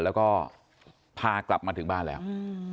แล้วก็พากลับมาถึงบ้านแล้ว